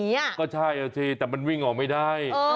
มันต้องวิ่งหนีอ่ะก็ใช่เอ้อสิแต่มันวิ่งออกไม่ได้